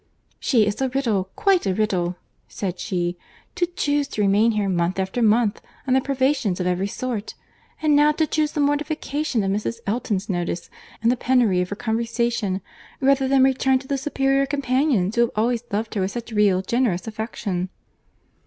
"She is a riddle, quite a riddle!" said she.—"To chuse to remain here month after month, under privations of every sort! And now to chuse the mortification of Mrs. Elton's notice and the penury of her conversation, rather than return to the superior companions who have always loved her with such real, generous affection."